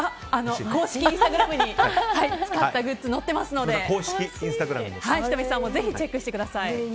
公式インスタグラムに使ったグッズ載ってますので仁美さんもぜひチェックしてください。